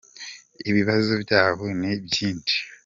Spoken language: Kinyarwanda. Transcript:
ibibazo byabo ni byinshi.